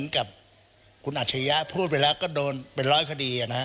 กับคุณอัจฉริยะพูดไปแล้วก็โดนเป็นร้อยคดีนะฮะ